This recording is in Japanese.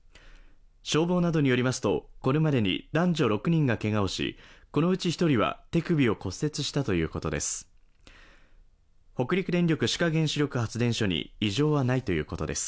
消防などによりますとこれまでに男女６人がけがをし、このうち１人は手首を骨折したということです。